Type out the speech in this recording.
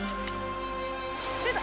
出た！